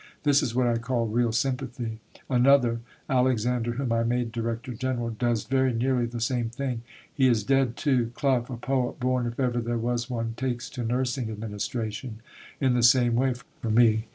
This is what I call real sympathy. Another (Alexander, whom I made Director General) does very nearly the same thing. He is dead too. Clough, a poet born if ever there was one, takes to nursing administration in the same way, for me.